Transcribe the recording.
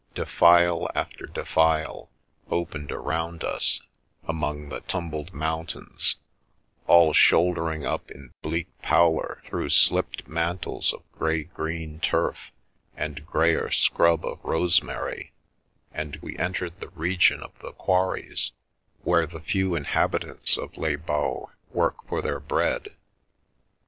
Defile after defile opened around us among the tumbled mountains, all shouldering up in bleak pallor through slipped mantles of grey green turf and greyer scrub of rosemary, and we entered the region 279 The Milky Way of the quarries, where the few inhabitants of Les Baux work for their bread.